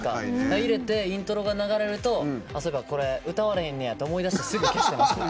で、入れてイントロが流れると、そういえば歌われへんねやって思ってすぐ消しちゃいます。